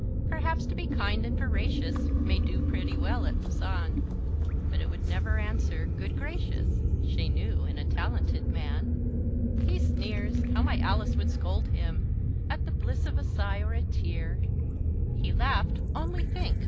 Perhaps to be kind and veracious May do pretty well at Lausanne; But it never would answer, good gracious! Chez nous in a talented man. He sneers, how my Alice would scold him! At the bliss of a sigh or a tear; He laughed only think!